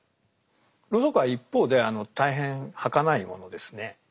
ロウソクは一方で大変はかないものですね。